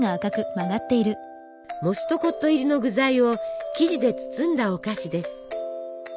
モストコット入りの具材を生地で包んだお菓子です。